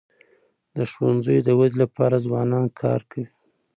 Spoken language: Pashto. د ښوونځیو د ودی لپاره ځوانان کار کوي.